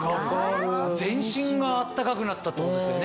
全身が暖かくなったってことですよね。